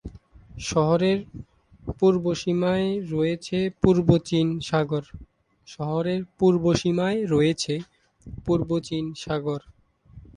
শহরের পূর্বসীমায় রয়েছে পূর্ব চীন সাগর।